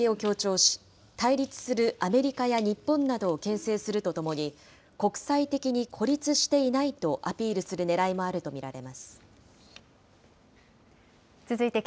こうした中でロシアとしては、各国との軍事的な連携を強調し、対立するアメリカや日本などをけん制するとともに、国際的に孤立していないとアピールするねらいもあると見られます。